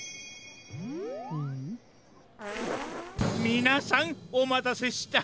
みなさんおまたせした。